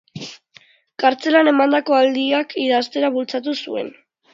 Kartzelan emandako aldiak idaztera bultzatu zuen.